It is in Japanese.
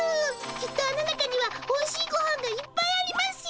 きっとあの中にはおいしいごはんがいっぱいありますよ！